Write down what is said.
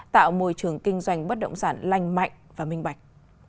tạo môi trường kinh doanh bất động sản lanh mạnh và minh bạch